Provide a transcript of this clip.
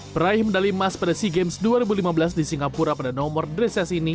peraih medali emas pada sea games dua ribu lima belas di singapura pada nomor dressis ini